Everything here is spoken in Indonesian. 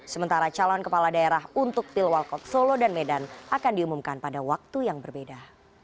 sementara calon kepala daerah untuk pilwal kot solo dan medan akan diumumkan pada waktu yang berbeda